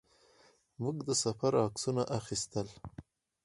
موږ د سفر عکسونه اخیستل.